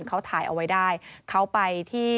เขาถ่ายเอาไว้ได้เขาไปที่